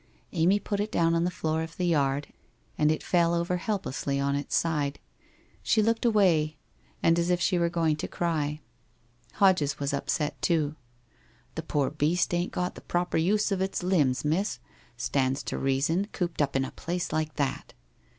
Amy put it down on the floor of the yard and it fell over helplessly on its side, She looked away and as if she were going to cry. Hodges was upset too. ' The poor beast ain't got the proper use of its limb?, miss. Stands to reason, cooped up in a place like that!